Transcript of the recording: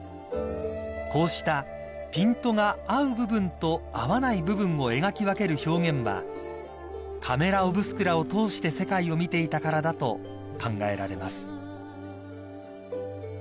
［こうしたピントが合う部分と合わない部分を描き分ける表現はカメラ・オブスクラを通して世界を見ていたからだと考えられます］